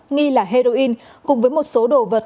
nghi là heroin cùng với một số đồ vật